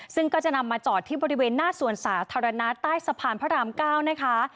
ซึ่งก็จะนำมาจอดที่บริเวณหน้าสวนสาธารณะใต้สะพานพระราม๙นะคะ